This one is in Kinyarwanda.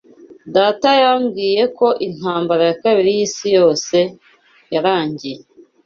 Data yambwiye ko Intambara ya Kabiri y'Isi Yose yarangiye